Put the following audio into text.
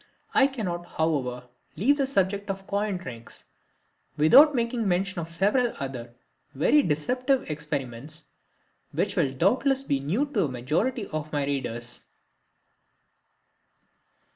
I cannot, however, leave the subject of coin tricks without making mention of several other very deceptive experiments, which will doubtless be new to the majority of my readers.